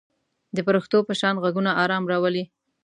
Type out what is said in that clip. د پرښتو په شان غږونه آرام راولي.